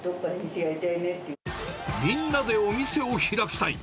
みんなでお店を開きたい。